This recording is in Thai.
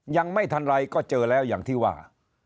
ยังไม่ทันไรก็เจอแล้วอย่างที่ว่า